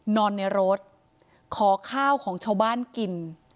นอนในรถขอข้าวของชาวบ้านกิน